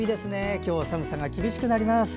今日は寒さが厳しくなります。